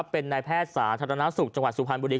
เป็นนายแพทย์สาธารณสุขจังหวัดสุพรรณบุรี